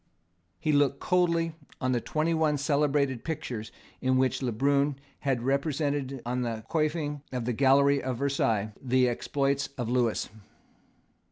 He looked coldly on the twenty one celebrated pictures in which Le Brun had represented on the coifing of the gallery of Versailles the exploits of Lewis.